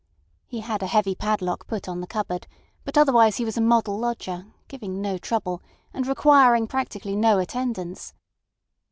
He had a heavy padlock put on the cupboard, but otherwise he was a model lodger, giving no trouble, and requiring practically no attendance.